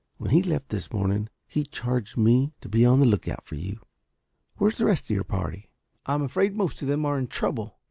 When he left this morning he charged me to be on the lookout for you. Where's the rest of your party?" "I'm afraid most of them are in trouble."